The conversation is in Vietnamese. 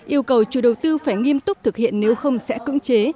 yêu cầu chủ đầu tư phải nghiêm túc thực hiện nếu không sẽ cưỡng chế